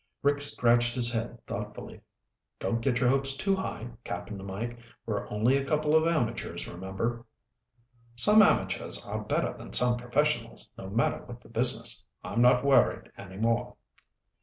Rick scratched his head thoughtfully. "Don't get your hopes too high, Cap'n Mike. We're only a couple of amateurs, remember." "Some amateurs are better than some professionals, no matter what the business. I'm not worried any more."